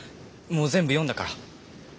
もう全部読んだから。